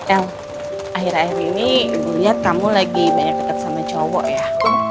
el akhir akhir ini gue lihat kamu lagi banyak dekat sama cowok ya